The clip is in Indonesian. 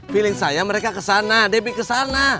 feeling saya mereka kesana debbie kesana